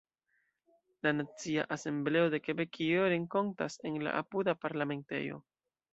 La Nacia Asembleo de Kebekio renkontas en la apuda Parlamentejo.